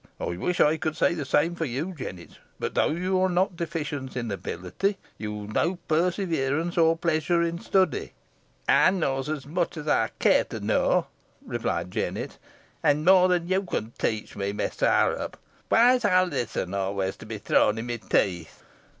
I wish I could say the same for you, Jennet; but though you're not deficient in ability, you've no perseverance or pleasure in study." "Ey knoa os much os ey care to knoa," replied Jennet, "an more than yo con teach me, Mester Harrop. Why is Alizon always to be thrown i' my teeth?"